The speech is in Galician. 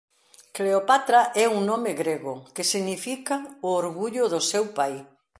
Cleopatra é un nome grego que significa «o orgullo do seu pai».